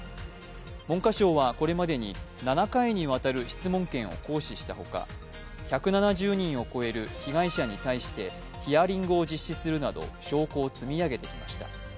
文科省はこれまでに７回にわたる質問権を行使したほか、１７０人を超える被害者に対してヒアリングを実施するなど証拠を積み上げてきました。